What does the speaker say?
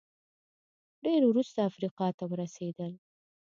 ډېر وروسته افریقا ته ورسېدل